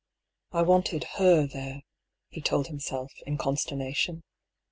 I wanted her there," he told himself, in consterna tion.